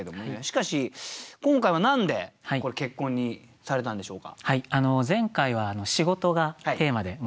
しかし今回は何で「結婚」にされたんでしょうか？